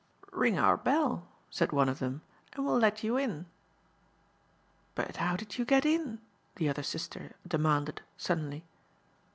"Ring our bell," said one of them, "and we'll let you in." "But how did you get in?" the other sister demanded, suddenly.